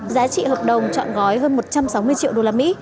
giá trị hợp đồng trọn gói hơn một trăm sáu mươi triệu usd